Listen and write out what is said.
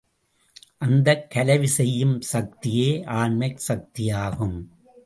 அந்தக் கலவி செய்யும் சக்தியே ஆண்மைச் சக்தியாகும்.